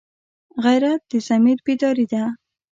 غیرت د ضمیر بیداري ده